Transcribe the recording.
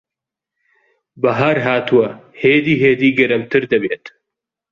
بەھار ھاتووە. ھێدی ھێدی گەرمتر دەبێت.